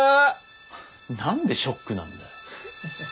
何でショックなんだよ。